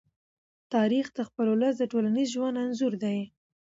تاریخ د خپل ولس د ټولنیز ژوند انځور دی.